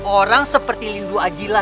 orang seperti lindu acik